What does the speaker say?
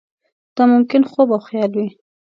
دا ممکن خوب او خیال وي.